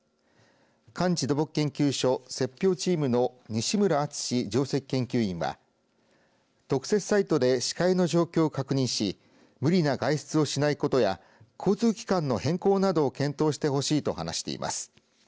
寒地土木研究所雪氷チームの西村敦史上席研究員は特設サイトで視界の状況を確認し無理な外出をしないことや交通機関の変更などを検討してほしいと話しています。